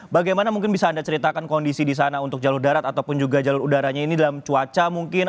bagaimana mungkin bisa anda ceritakan kondisi di sana untuk jalur darat ataupun juga jalur udaranya ini dalam cuaca mungkin